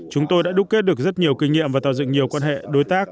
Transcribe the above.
chúng tôi đã đúc kết được rất nhiều kinh nghiệm và tạo dựng nhiều quan hệ đối tác